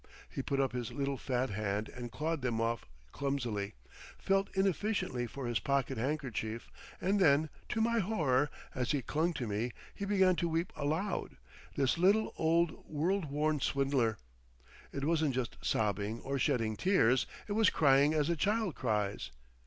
He put up his little fat hand and clawed them off clumsily, felt inefficiently for his pocket handkerchief, and then, to my horror, as he clung to me, he began to weep aloud, this little, old worldworn swindler. It wasn't just sobbing or shedding tears, it was crying as a child cries.